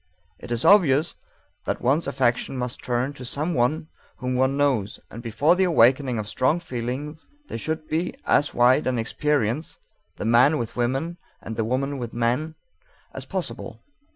It is obvious that one's affection must turn to some one whom one knows, and before the awakening of strong feeling there should be as wide an experience the man with women, and the woman with men as possible.